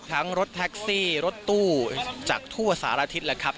ทั้งรถแท็กซี่รถตู้จากทั่วสารอาทิตย์นะครับ